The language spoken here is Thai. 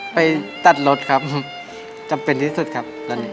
ไปตัดรถครับจำเป็นที่สุดครับ